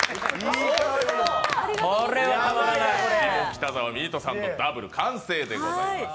下北沢ミートサンドダブル完成でございます。